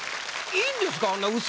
いいんです。